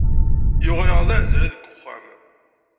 Yuɣal-aɣ d aɛezri deg uxxam.